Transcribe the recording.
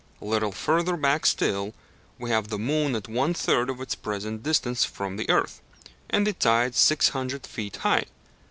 A little further back still, we have the moon at one third of its present distance from the earth, and the tides 600 feet high.